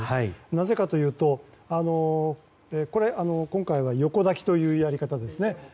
なぜかというと今回は横抱きというやり方ですね。